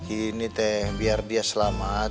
ini teh biar dia selamat